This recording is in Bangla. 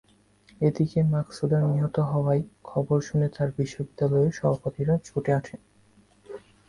এদিকে মাকসুদার নিহত হওয়ার খবর শুনে তাঁর বিশ্ববিদ্যালয়ের সহপাঠীরা ছুটে আসেন।